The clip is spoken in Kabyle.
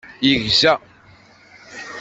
Yegza.